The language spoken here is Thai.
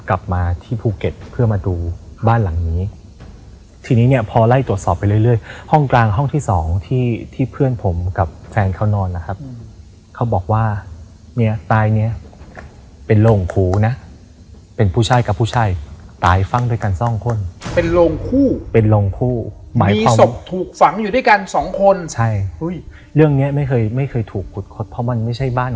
กลับมาที่ภูเก็ตเพื่อมาดูบ้านหลังนี้ทีนี้เนี่ยพอไล่ตรวจสอบไปเรื่อยห้องกลางห้องที่สองที่ที่เพื่อนผมกับแฟนเขานอนนะครับเขาบอกว่าเนี่ยตายเนี้ยเป็นโรงหูนะเป็นผู้ชายกับผู้ชายตายฟังด้วยกันสองคนเป็นโรงคู่เป็นโรงคู่หมายของศพถูกฝังอยู่ด้วยกันสองคนใช่อุ้ยเรื่องเนี้ยไม่เคยไม่เคยถูกขุดคดเพราะมันไม่ใช่บ้าน